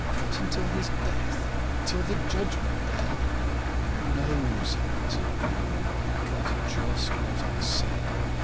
Not till his death? Till the Judgement day?" "No," said Basil, beaming, "but just what I said.